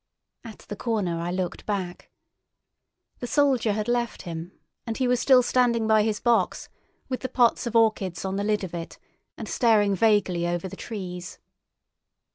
At the corner I looked back. The soldier had left him, and he was still standing by his box, with the pots of orchids on the lid of it, and staring vaguely over the trees.